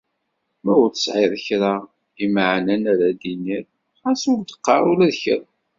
Ma ur tesεiḍ kra imeεnen ara d-tiniḍ, ɣas ur d-qqar ula d kra.